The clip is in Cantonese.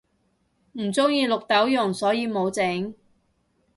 唔鍾意綠豆蓉所以無整